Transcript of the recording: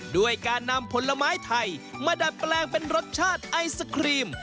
ด้วยการนำผลไม้ไทยมาดัดแปลงเป็นรสชาติไอศครีม